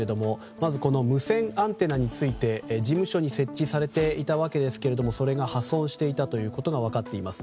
まず、この無線アンテナについて事務所に設置されていたわけですがそれが破損していたことが分かっています。